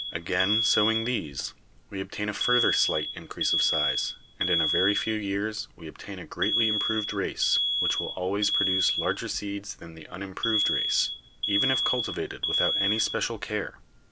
Again sowing these, we ob tain a further slight increase of size, and in a very few years we obtain a greatly improved race, which will always produce larger seeds than the unimproved race, even if cultivated without any special care.